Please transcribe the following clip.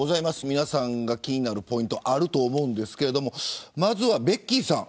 皆さんが気になるポイントあると思うんですけどまずはベッキーさん